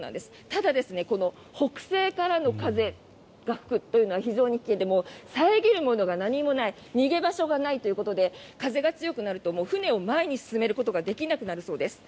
ただ、北西からの風が吹くというのは遮るものが何もない逃げ場所がないということで風が強くなると船を前に進めることができなくなるそうです。